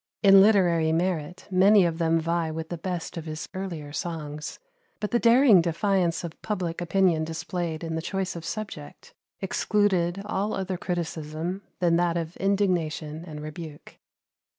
In literary merit many of them vie with the best of his earlier songs; but the daring defiance of public opinion displayed in the choice of subject excluded all other criticism than that of indignation and rebuke.